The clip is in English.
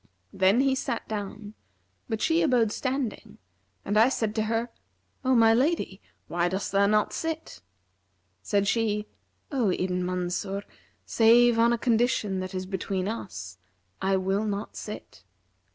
[FN#346] Then he sat down, but she abode standing and I said to her, 'O my lady, why dost thou not sit?' Said she, 'O Ibn Mansur, save on a condition that is between us, I will not sit.'